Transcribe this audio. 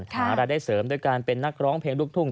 หารายได้เสริมด้วยการเป็นนักร้องเพลงลูกทุ่ง